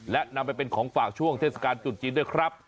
และนำไปเป็นของฝากช่วงเทศกาลจุดจีนด้วยครับ